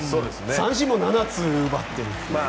三振も７つ奪っているという。